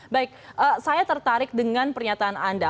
baik saya tertarik dengan pernyataan anda